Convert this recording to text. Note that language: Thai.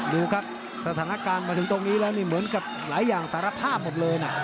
ดูครับสถานการณ์มาถึงตรงนี้แล้วนี่เหมือนกับหลายอย่างสารภาพหมดเลยนะ